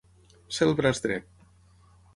Ser el braç dret.